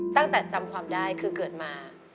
ตั้งแต่จำความได้คือเกิดมา